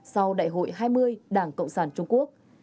sau đại hội hai mươi đảng cộng sản trung quốc